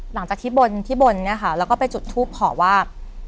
หลังจากที่บนที่บนเนี่ยค่ะแล้วก็ไปจุดทูปขอว่า